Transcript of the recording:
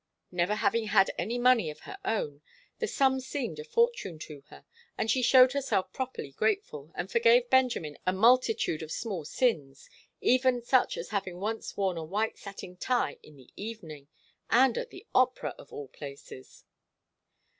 Never having had any money of her own, the sum seemed a fortune to her, and she showed herself properly grateful, and forgave Benjamin a multitude of small sins, even such as having once worn a white satin tie in the evening, and at the opera, of all places.